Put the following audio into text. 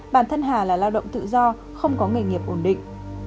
bản thân hà là lao động tự do không có nghề nghiệp ổn định